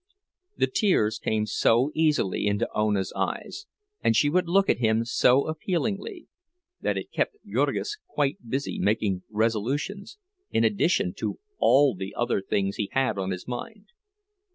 The tears came so easily into Ona's eyes, and she would look at him so appealingly—it kept Jurgis quite busy making resolutions, in addition to all the other things he had on his mind.